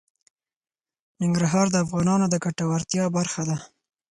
ننګرهار د افغانانو د ګټورتیا برخه ده.